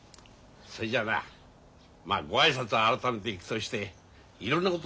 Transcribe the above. そいじゃあなまあご挨拶は改めて行くとしていろんなことどんどん決めちまおうか。